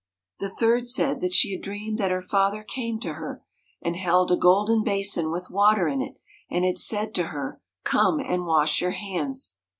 The third said that she had dreamed that her father came to her and held a golden basin with water in it, and had said to her :' Come and wash your hands.'